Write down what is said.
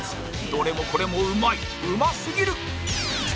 どれもこれもうまいうますぎる！